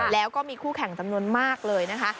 แล้วก็มีคู่แข่งจำนวนมากเลยนะคะ